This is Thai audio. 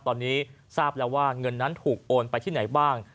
ตอนนี้ทราบแล้วว่าเงินนั้นถูกโอนไปที่ไหนบ้าง